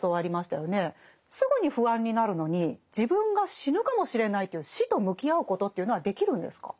すぐに不安になるのに自分が死ぬかもしれないという死と向き合うことというのはできるんですか？